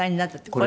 これ。